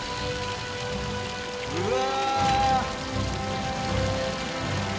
うわ。